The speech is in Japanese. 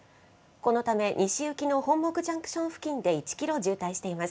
このため西行きの本牧ジャンクション付近で１キロ渋滞しています。